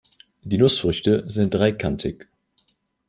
Die Nussfrüchte sind dreikantig.